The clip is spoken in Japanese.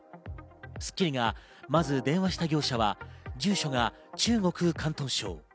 『スッキリ』がまず電話した業者は住所が中国・広東省。